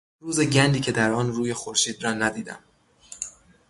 روز گندی که در آن روی خورشید را ندیدم